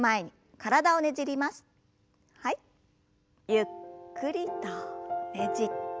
ゆっくりとねじって。